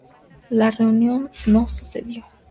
La reunión no sucedió.